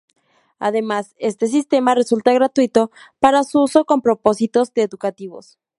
Además, este sistema resulta gratuito para su uso con propósitos educativos.